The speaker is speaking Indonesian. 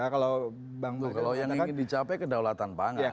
kalau yang ingin dicapai kedaulatan pangan